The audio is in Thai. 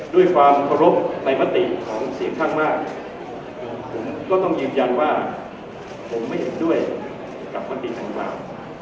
ด้วยความเคารพในมติของเสียงข้างมากผมก็ต้องยืนยันว่าผมไม่เห็นด้วยกับมติดังกล่าว